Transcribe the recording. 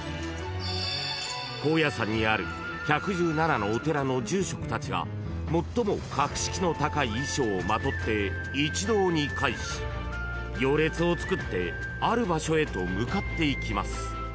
［高野山にある１１７のお寺の住職たちが最も格式の高い衣装をまとって一堂に会し行列をつくってある場所へと向かっていきます］